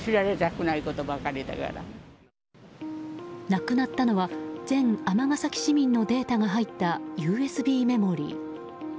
なくなったのは全尼崎市民のデータが入ったＵＳＢメモリー。